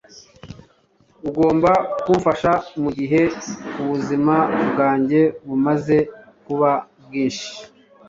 ugomba kumfasha mugihe ubuzima bwanjye bumaze kuba bwinshi